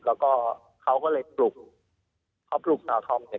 แล้วก็เขาก็เลยปลุกเขาปลุกสาวทองเสร็จ